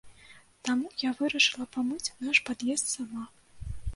Таму я вырашыла памыць наш пад'езд сама.